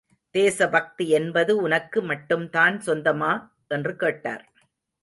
தேச பக்தி என்பது உனக்கு மட்டும்தான் சொந்தமா? என்று கேட்டார்.